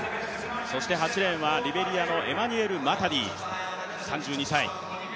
８レーンはリベリアのエマニュエル・マタディ、３２歳。